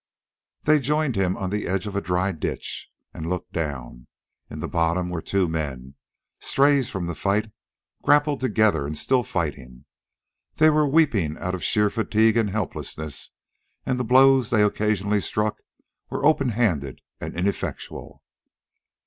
They joined him on the edge of a dry ditch and looked down. In the bottom were two men, strays from the fight, grappled together and still fighting. They were weeping out of sheer fatigue and helplessness, and the blows they only occasionally struck were open handed and ineffectual.